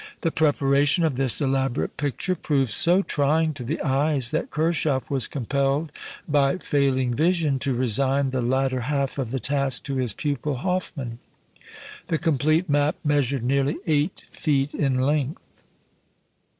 The preparation of this elaborate picture proved so trying to the eyes that Kirchhoff was compelled by failing vision to resign the latter half of the task to his pupil Hofmann. The complete map measured nearly eight feet in length.